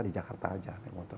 di jakarta aja